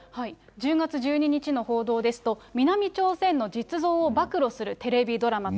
１０月１２日の報道ですと、南朝鮮の実像を暴露するテレビドラマと。